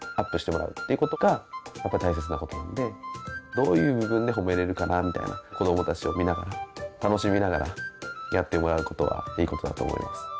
どういう部分で褒めれるかなみたいな子どもたちを見ながら楽しみながらやってもらうことがいいことだと思います。